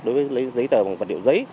đối với giấy tờ bằng vật liệu giấy